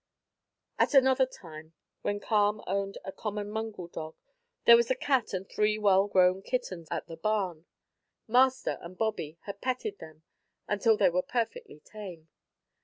At another time, when Carm owned a common mongrel dog, there was a cat and three well grown kittens at the barn. Master and Bobby had petted them until they were perfectly tame.